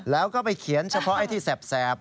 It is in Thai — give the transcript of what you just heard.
แล้วก็ไปเขียนเฉพาะไอ้ที่แสบ